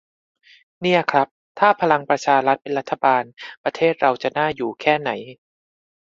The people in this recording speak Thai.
"เนี่ยครับ ถ้าพลังประชารัฐเป็นรัฐบาล ประเทศเราจะน่าอยู่แค่ไหน"